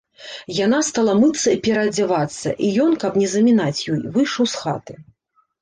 Яна стала мыцца і пераадзявацца, і ён, каб не замінаць ёй, выйшаў з хаты.